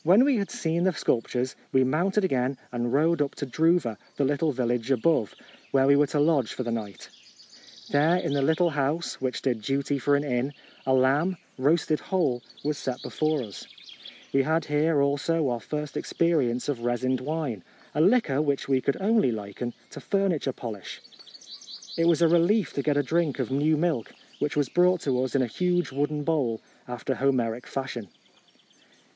When we had seen the sculptures, we mounted again and rode up to Druva, the little village above, where we were to lodge for the night. There, in the little house which did duty for an inn, a lamb, roasted whole, was set before us. "We had here, also, our first experience of re sined wine, a liquor which we could only liken to f urniture polish ! It was a relief to get a drink of new milk, which was brought to us in a huge wooden bowl, after Homeric fashion.